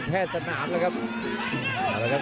แพทย์พนามครับ